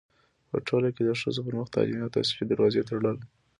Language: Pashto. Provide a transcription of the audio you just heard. پـه ټـولـه کـې د ښـځـو پـر مـخ تـعلـيمي او تحصـيلي دروازې تــړل.